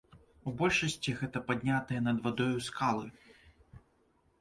У большасці гэта паднятыя над вадою скалы.